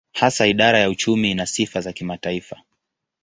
Hasa idara ya uchumi ina sifa za kimataifa.